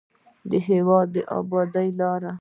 د هېواد د ابادۍ لارې